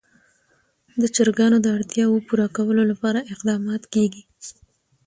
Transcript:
د چرګانو د اړتیاوو پوره کولو لپاره اقدامات کېږي.